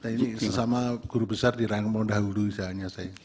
ini sesama guru besar di rangka muda hudu seandainya saya